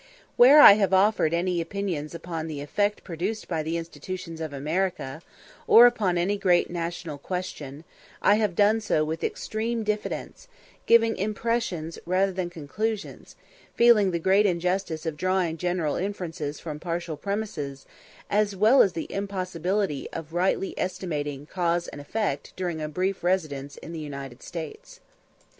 Where I have offered any opinions upon the effect produced by the institutions of America, or upon any great national question, I have done so with extreme diffidence, giving impressions rather than conclusions, feeling the great injustice of drawing general inferences from partial premises, as well as the impossibility of rightly estimating cause and effect during a brief residence in the United States.